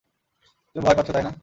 তুমি ভয় পাচ্ছ, তাই না?